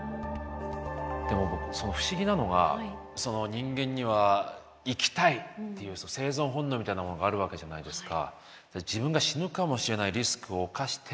でも不思議なのがその人間には生きたいっていう生存本能みたいなものがあるわけじゃないですか。